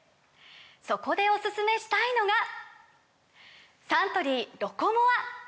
そこでおすすめしたいのがサントリー「ロコモア」！